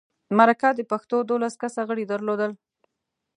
مرکه د پښتو دولس کسه غړي درلودل.